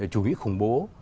chủ nghĩa khủng bố